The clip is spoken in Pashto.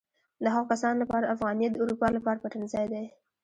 د هغو کسانو لپاره افغانیت د اروپا لپاره پټنځای دی.